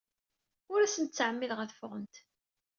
Ur asent-ttɛemmideɣ ad ffɣent.